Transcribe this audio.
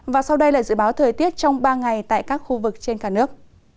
và sau đây là dự báo thời tiết trong ba ngày tại các khu vực trên cả nước